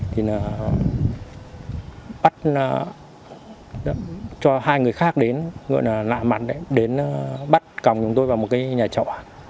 thì nó bắt cho hai người khác đến gọi là nạ mặt đấy đến bắt còng chúng tôi vào một cái nhà chợ